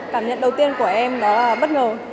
cảm nhận đầu tiên của em đó là bất ngờ